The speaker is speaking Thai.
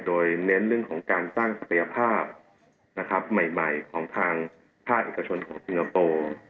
โดยเน้นเรื่องของการสร้างศักยภาพนะครับใหม่ของทางภาคเอกชนของสิงคโปร์